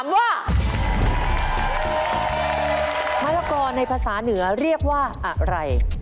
มะกรในภาษาเหนือเรียกว่าอะไร